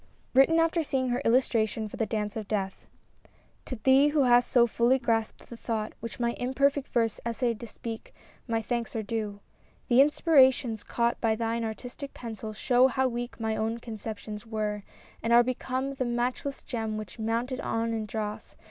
JVritten after seeing her illmtraiion/or *'The Dance of DeatK^ TO thee, who hast so fully grasped the thought Which my imperfect verse essayed to speak, My thanks are due. — The inspirations caught By thine artistic pencil show how weak My own conceptions were, and are become The matchless gem which, mounted e'en in dross.